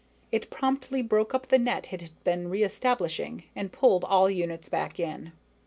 It promptly broke up the net it had been re establishing and pulled all units back in.